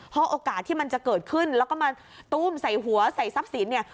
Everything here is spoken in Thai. เพราะโอกาสที่มันจะเกิดขึ้นแล้วก็มาตู้มใส่หัวใส่ทรัพย์สินเนี่ย